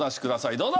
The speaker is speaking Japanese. どうぞ。